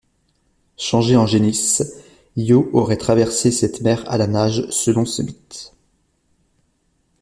Changée en génisse, Io aurait traversé cette mer à la nage selon ce mythe.